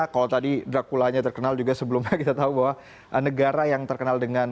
kalau tadi draculanya terkenal juga sebelumnya kita tahu bahwa negara yang terkenal dengan